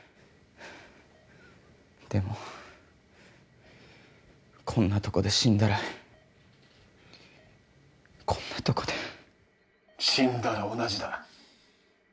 でもこんなとこで死んだらこんなとこで死んだら同じだ